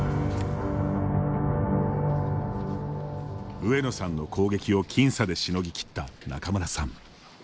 上野さんの攻撃を僅差でしのぎ切った仲邑さん。